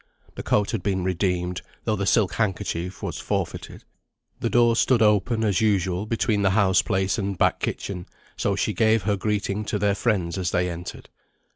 (The coat had been redeemed, though the silk handkerchief was forfeited.) The door stood open, as usual, between the houseplace and back kitchen, so she gave her greeting to their friends as they entered.